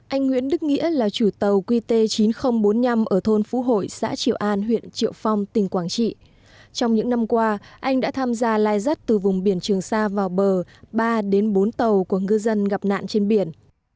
anh nguyễn đức nghĩa là chủ tàu qt chín nghìn bốn mươi năm ở thôn phú hội xã triệu an huyện triệu phong tỉnh quảng trị trong những năm qua anh đã tham gia lai rắt từ vùng biển trường sa vào bờ ba đến bốn tàu của ngư dân gặp nạn trên biển